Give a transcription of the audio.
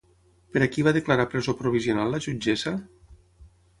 Per a qui va declarar presó provisional la jutgessa?